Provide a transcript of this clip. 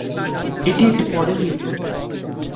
এটি একটি model union.